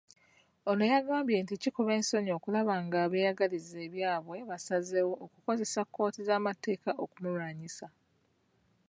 Ono yagambye nti kikuba ensonyi okulaba ng'abantu abeeyagaliza ebyabwe basazeewo okukozesa kkooti z'amateeka okumulwanyisa.